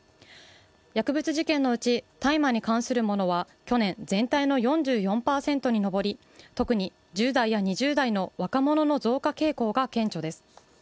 薬物事件のうち、大麻に関するものは去年全体の４４％に上り特に１０代や２０代の若者の増加傾向が顕著です。